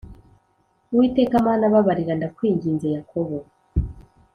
Uwiteka Mana babarira ndakwinginze Yakobo